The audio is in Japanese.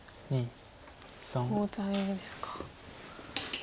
コウ材ですか。